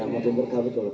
makin berkah betul